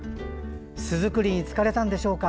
巣作りに疲れたんでしょうか。